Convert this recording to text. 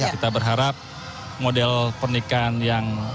kita berharap model pernikahan yang